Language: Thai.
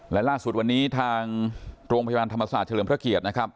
และล่าสุดวันนี้ทางโรงพยาบาลธรรมศาสตร์เฉลิมพระเกียรตินะครับ